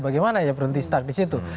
bagaimana ya berhenti stuck di situ